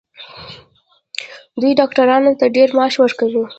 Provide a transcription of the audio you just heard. دوی ډاکټرانو ته ډیر معاش ورکوي.